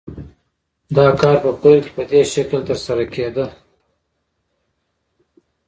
دا کار په پیل کې په دې شکل ترسره کېده